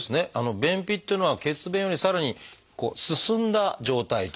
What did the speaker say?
便秘っていうのは血便よりさらに進んだ状態ということになる。